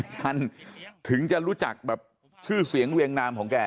ฉันถึงจะรู้จักแบบชื่อเสียงเรียงนามของแก